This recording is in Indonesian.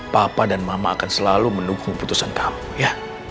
papa dan mama akan selalu menunggu putusan kamu ya